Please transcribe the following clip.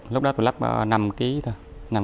lúc đó tôi lắp có năm kg thôi